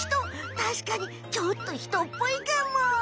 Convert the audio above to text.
たしかにちょっと人っぽいかも！